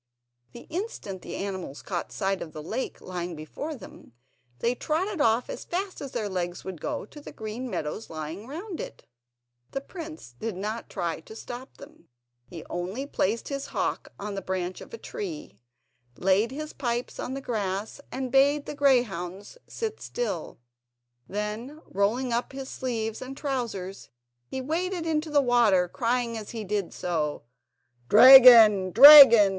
The instant the animals caught sight of the lake lying before them, they trotted off as fast as their legs would go to the green meadows lying round it. The prince did not try to stop them; he only placed his hawk on the branch of a tree, laid his pipes on the grass, and bade the greyhounds sit still; then, rolling up his sleeves and trousers, he waded into the water crying as he did so: "Dragon! dragon!